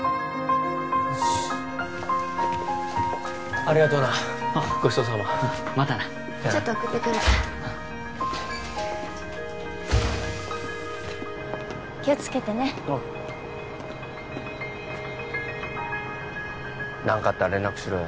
ありがとうなごちそうさままたなちょっと送ってくるから気をつけてねああ何かあったら連絡しろよ・